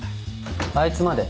あいつまで？